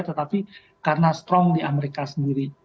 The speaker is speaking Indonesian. tetapi karena strong di amerika sendiri